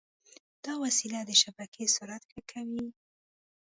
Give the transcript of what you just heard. دا وسیله د شبکې سرعت ښه کوي.